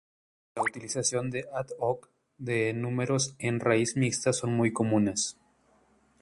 La utilización "ad hoc" de números en raíz mixta son muy comunes.